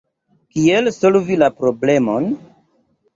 Kiel solvi la problemon?